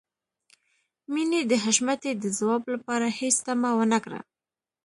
مينې د حشمتي د ځواب لپاره هېڅ تمه ونه کړه.